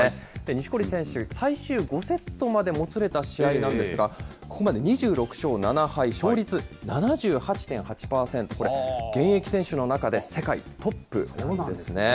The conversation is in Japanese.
錦織選手、最終５セットまでもつれた試合なんですが、ここまで２６勝７敗、勝率７８．８％、これ、現役選手の中で世界トップなんですね。